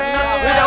udah usir aja